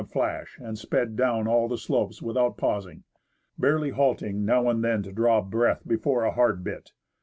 ELIAS TO YAKUTAT a flash and sped down all the slopes without pausing, barely halting now and then to draw breath before a hard bit.